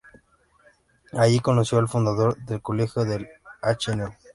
Allí conoció al fundador del colegio, el Hno.